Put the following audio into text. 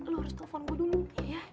lu harus telfon gue dulu ya ya